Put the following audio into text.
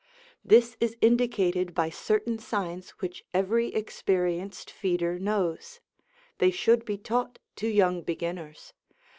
This is indicated by certain signs which every experienced feeder knows. They should be taught to young beginners.